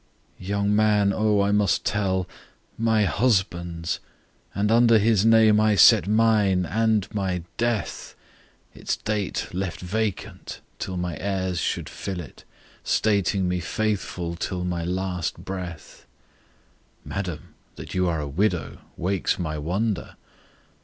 "Young man, O must I tell!—My husband's! And under His name I set mine, and my death!— Its date left vacant till my heirs should fill it, Stating me faithful till my last breath." —"Madam, that you are a widow wakes my wonder!"